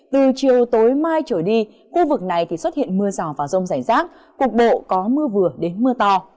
từ chiều tối mai trở đi khu vực này thì xuất hiện mưa rào và rông rải rác cục bộ có mưa vừa đến mưa to